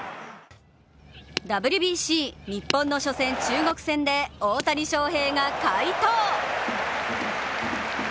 ＷＢＣ、日本の初戦、中国戦で大谷翔平が快投。